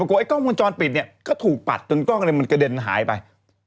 กล้องมุมจอลปิดนี่ก็ถูกปัดตรงกล้องมีมันกระเด็นหายไป